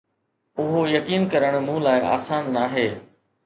اهو يقين ڪرڻ مون لاء آسان ناهي